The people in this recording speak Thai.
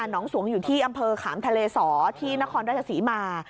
น้องสวงอยู่ที่อำเภอขามทะเลสอที่นครราชศรีมา